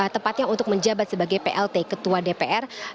tepatnya untuk menjabat sebagai plt ketua dpr